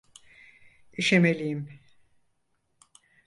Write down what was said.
İşemeliyim.